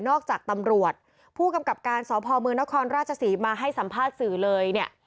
จากตำรวจผู้กำกับการสพมนครราชศรีมาให้สัมภาษณ์สื่อเลยเนี่ย